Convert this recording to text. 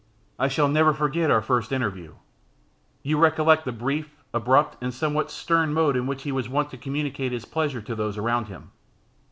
I shall never forget our first interview. You recollect the brief, abrupt, and somewhat stern mode in which he was wont to communicate his pleasure to those around him.